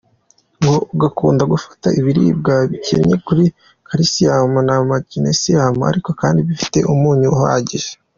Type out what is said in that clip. Ngo ugakunda gufata ibiribwa bikennye kuri calcium na magnesium, ariko kandi bifite umunyu uhagije.